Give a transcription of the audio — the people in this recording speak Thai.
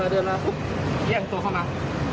เดินมาปุ๊บแย่งตัวเข้ามา